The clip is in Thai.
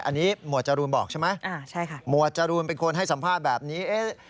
อันนี้หมวดจรูนบอกใช่ไหมหมวดจรูนเป็นคนให้สัมภาษณ์แบบนี้